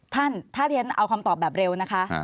ท่านถ้าที่ฉันเอาคำตอบแบบเร็วนะคะ